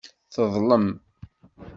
Teḍlem.